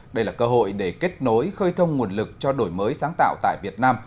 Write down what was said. đây là cơ hội để kết nối khơi thông nguồn lực cho đổi mới sáng tạo tại việt nam